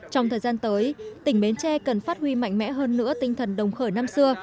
trong thời gian tới tỉnh bến tre cần phát huy mạnh mẽ hơn nữa tinh thần đồng khởi năm xưa